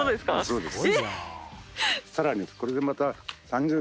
そうです。